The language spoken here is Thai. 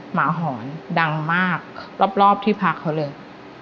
หมาหอนดังมากรอบที่พักเขาเลย